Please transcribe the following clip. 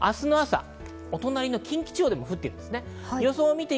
お隣の近畿地方でも降っています。